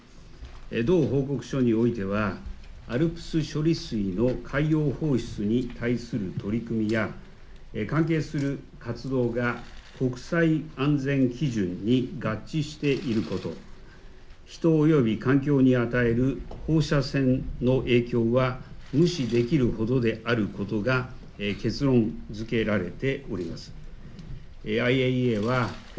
同報告書においてはアルプス処理水の海洋放出に対する取り組みや関係する活動が国際安全基準に合致していること人および環境に与える放射線の影響は無視できるほどであることが結論づけられております。